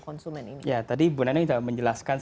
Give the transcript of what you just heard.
konsumen ini ya tadi ibu nanya juga menjelaskan